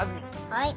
はい。